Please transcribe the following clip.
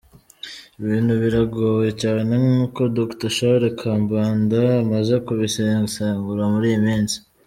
Ibintu biragoye cyane nk’uko Dr Charles Kambanda amaze kubisesengura muri iyi minsi.